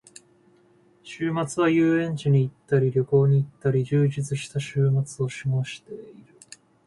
週末は遊園地に行ったり旅行に行ったり、充実した週末を過ごしている。